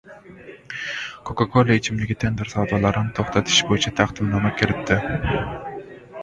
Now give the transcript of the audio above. «Koka-kola ichimligi» tender savdolarini to‘xtatish bo‘yicha taqdimnoma kiritildi